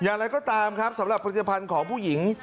อย่างไรก็ตามครับสำหรับผลิตภัณฑ์ของผู้หญิง